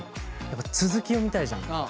やっぱ続き読みたいじゃん。